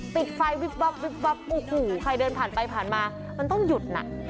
ติดไฟวิบวับวิบวับโอ้โหใครเดินผ่านไปผ่านมามันต้องหยุดน่ะ